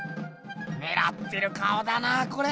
ねらってる顔だなこれ。